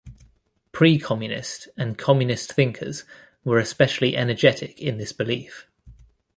Pre-Communist and Communist thinkers were especially energetic in this belief.